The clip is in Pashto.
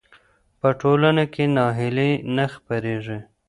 په ټولنه کې ناهیلي نه خپرېږي.